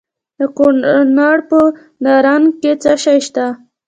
د کونړ په نرنګ کې څه شی شته؟